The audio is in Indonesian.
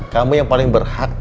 kamu yang paling berhak